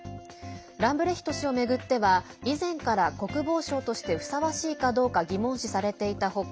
ランブレヒト氏を巡っては以前から国防相としてふさわしいかどうか疑問視されていた他